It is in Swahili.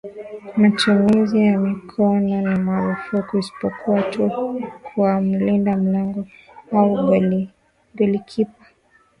Matumizi ya mikono ni marufuku isipokuwa tu kwa mlinda mlango au golikipa